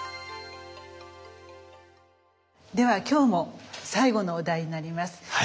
では今日も最後のお題になります。